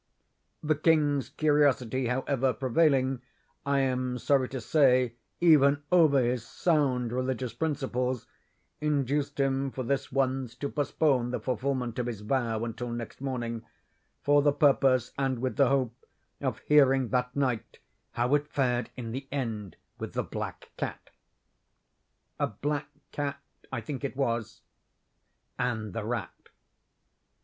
The king's curiosity, however, prevailing, I am sorry to say, even over his sound religious principles, induced him for this once to postpone the fulfilment of his vow until next morning, for the purpose and with the hope of hearing that night how it fared in the end with the black cat (a black cat, I think it was) and the rat.